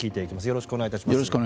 よろしくお願いします。